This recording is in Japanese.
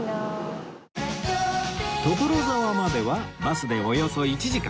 所沢まではバスでおよそ１時間